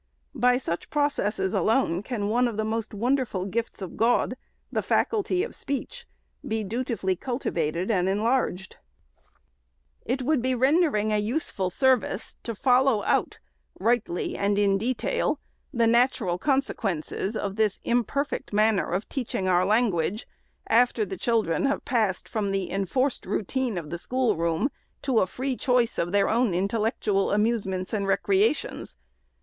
By such processes alone can one of 556 THE SECRETAEY'S the most wonderful gifts of God, — the faculty of speech, — be dutifully cultivated and enlarged. It would be rendering a useful service, to follow out, rightly, and in detail, the natural consequences of this imperfect manner of teaching our language, after the chil dren have passed from the enforced routine of the school room to a free choice of their own intellectual amuse ments and recreations.